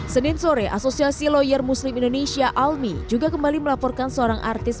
senin sore asosiasi lawyer muslim indonesia almi juga kembali melaporkan seorang artis